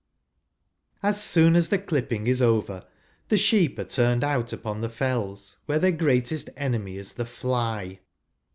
As soon as the clipping is over, the sheep are turned out upon the Fells, where their greatest enemy is the fly.